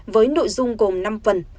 với nội dung gồm năm phần